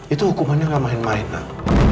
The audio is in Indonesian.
itu hukumannya gak main main nak